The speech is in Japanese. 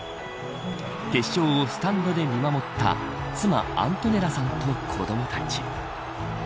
決勝をスタンドで見守った妻アントネラさんと子どもたち。